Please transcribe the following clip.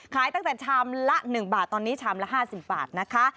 ขายตั้งแต่ชามละ๑บาทตอนนี้ชามละ๕๐บาทนะคะ